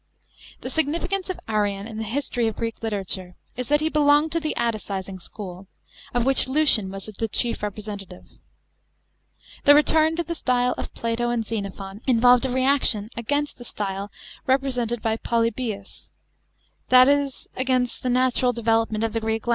The significance of Arrian in the history of Greek literature is that he belonged to the Atticising school, of which Lucian was the chief representative. The return to the style of Plato and Xeno phon involved a reaction against the style represented by Polybitis — that is, against the natural development of the Greek language— * Chap.